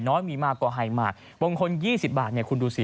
น้อยมีมากก็ให้มากบางคน๒๐บาทเนี่ยคุณดูสิ